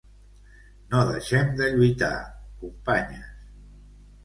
No deixem de lluitar, companyes!